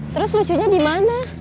terus lucunya dimana